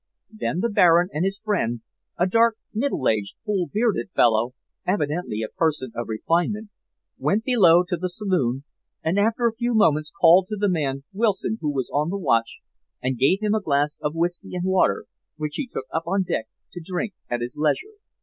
Then the Baron and his friend a dark, middle aged, full bearded man, evidently a person of refinement went below to the saloon, and after a few moments called to the man Wilson who was on the watch, and gave him a glass of whisky and water, which he took up on deck to drink at his leisure.